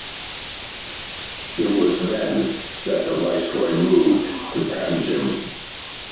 It was then that the viceroy moved to Panjim.